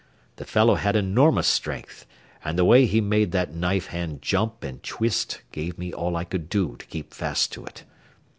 The fellow had enormous strength, and the way he made that knife hand jump and twist gave me all I could do to keep fast to it.